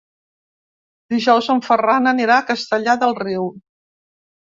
Dijous en Ferran anirà a Castellar del Riu.